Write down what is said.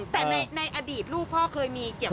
แต่ในอดีตลูกพ่อเคยมีเกี่ยว